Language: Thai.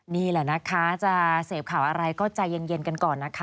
นี่แหละนะคะจะเสพข่าวอะไรก็ใจเย็นกันก่อนนะคะ